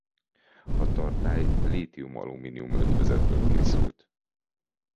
A tartály lítium-alumínium ötvözetből készült.